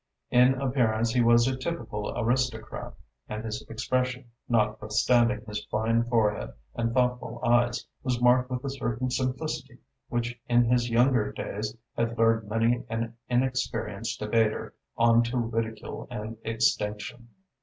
In appearance he was a typical aristocrat, and his expression, notwithstanding his fine forehead and thoughtful eyes, was marked with a certain simplicity which in his younger days had lured many an inexperienced debater on to ridicule and extinction.